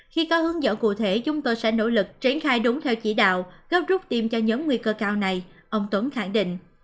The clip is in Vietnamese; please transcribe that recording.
khi có hướng dẫn cụ thể chúng tôi sẽ nỗ lực triển khai đúng theo chỉ đạo góp rút tiêm cho nhóm nguy cơ cao này ông tuấn khẳng định